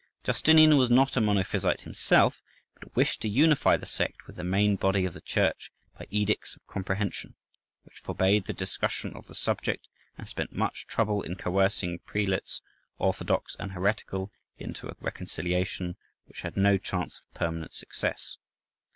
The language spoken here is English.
Justinian was not a monophysite himself, but wished to unify the sect with the main body of the Church by edicts of comprehension, which forbade the discussion of the subject, and spent much trouble in coercing prelates orthodox and heretical into a reconciliation which had no chance of permanent success.